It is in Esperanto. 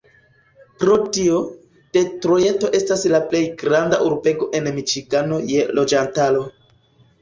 Pro tio, Detrojto estas la plej granda urbego en Miĉigano je loĝantaro.